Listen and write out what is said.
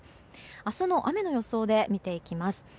明日の雨の予想で見ていきます。